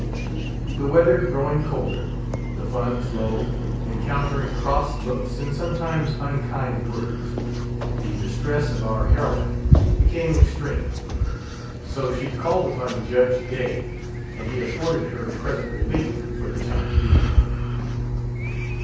The weather growing colder, the funds low, encountering cross looks, and sometimes unkind words, the distress of our heroine became extreme, so she called upon Judge Day, and he afforded her pres ent relief for the time being.